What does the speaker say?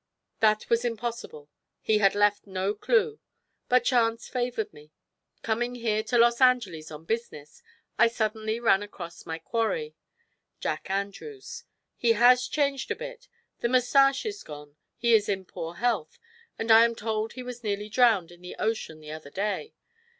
That was impossible; he had left no clue. But chance favored me. Coming here to Los Angeles on business, I suddenly ran across my quarry: Jack Andrews. He has changed a bit. The mustache is gone, he is in poor health, and I am told he was nearly drowned in the ocean the other day.